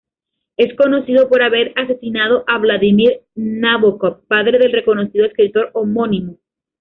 Es conocido por haber asesinado a Vladimir Nabokov, padre del reconocido escritor homónimo.